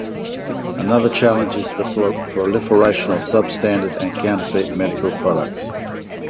Another challenge is the proliferation of substandard and counterfeit medical products.